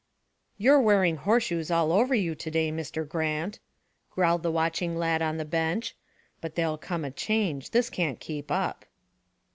"You're wearing horseshoes all over you to day, Mr. Grant," growled the watching lad on the bench. "But there'll come a change; this can't keep up."